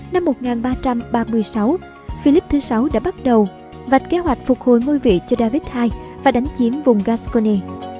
năm một nghìn ba trăm ba mươi sáu philip vi đã bắt đầu vạch kế hoạch phục hồi ngôi vị cho david ii và đánh chiếm vùng gascony